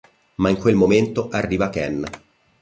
Ma in quel momento arriva Ken.